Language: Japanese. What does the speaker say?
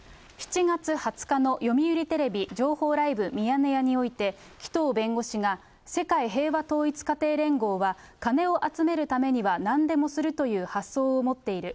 ７月２０日の読売テレビ情報ライブミヤネ屋において、紀藤弁護士が、世界平和統一家庭連合が金を集めるためにはなんでもするという発想を持っている。